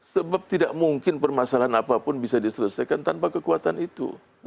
sebab tidak mungkin permasalahan apapun bisa diselesaikan tanpa kekuatan itu